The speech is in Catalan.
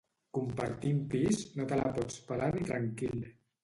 Compartint pis, no te la pots pelar ni tranquil